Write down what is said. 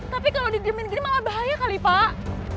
tapi kalau didirimin gini malah bahaya kali pak